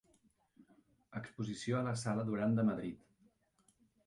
Exposició a la sala Duran de Madrid.